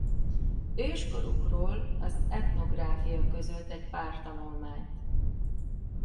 Őskorukról az Ethnographia közölt egy pár tanulmányt.